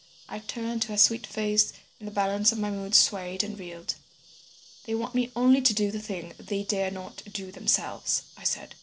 I turned to her sweet face, and the balance of my mood swayed and reeled. "'They want me only to do the thing they dare not do themselves,' I said.